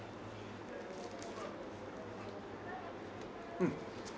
うん。